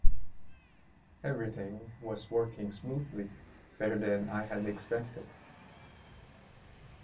Everything was working smoothly, better than I had expected.